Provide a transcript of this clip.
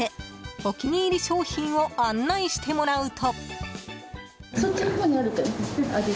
お気に入り商品を案内してもらうと。